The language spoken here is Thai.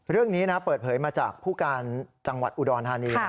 เรื่องนี้เปิดเผยมาจากผู้การจังหวัดอุดรธานี